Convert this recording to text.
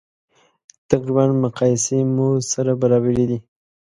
تقریبا مقایسې مو سره برابرې دي.